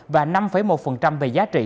và năm một về giá trị